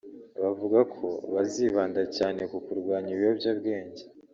Bavuga ko bazibanda cyane ku kurwanya ibiyobyabwenge